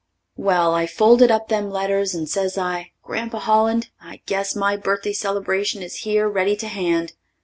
Well, I folded up them letters and, says I, "Grandpa Holland, I guess my birthday celebration is here ready to hand."